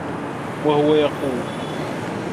وَهُوَ يَقُولُ